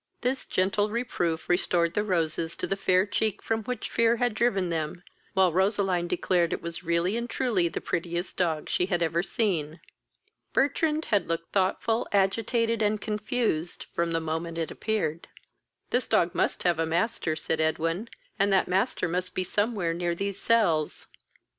This gentle reproof restored the roses to the fair cheek from which fear had driven them, while Roseline declared it was really and truly the prettiest dog she had ever seen. Bertrand had looked thoughtful, agitated, and confused, from the moment it appeared. "This dog must have a master, (said Edwin,) and that master must be somewhere near these cells."